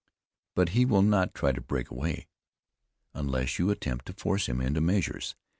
But he will not try to break away, unless you attempt to force him into measures.